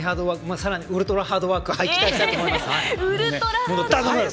さらにウルトラハードワークでいきたいと思います。